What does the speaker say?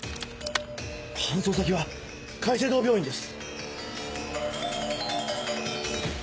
搬送先は界星堂病院です。